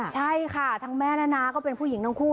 ใช่ค่ะทั้งแม่นะนะก็เป็นผู้หญิงทั้งคู่